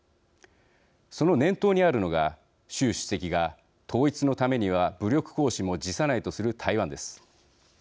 その念頭にあるのが習主席が統一のためには武力行使も辞さないとする台湾です。